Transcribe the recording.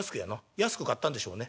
「安く買ったんでしょうね」。